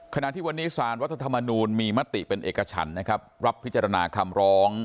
ขณะที่วันนี้สารรัฐธรรมนูลมีมติเป็นเอกฉันนะครับรับพิจารณาคำร้อง